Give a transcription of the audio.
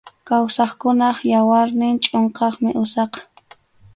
Kawsaqkunap yawarnin chʼunqaqmi usaqa.